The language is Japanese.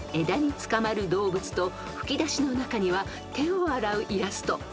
［枝につかまる動物と吹き出しの中には手を洗うイラスト］